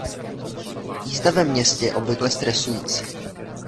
Jízda ve městě je obvykle stresující.